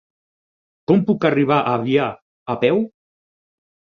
Com puc arribar a Avià a peu?